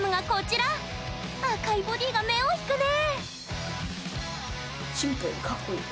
赤いボディーが目を引くね！